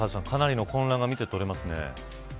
かなりの混乱が見て取れますね。